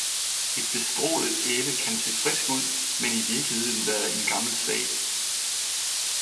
Et bestrålet æble kan se frisk ud, men i virkeligheden være en gammel sag.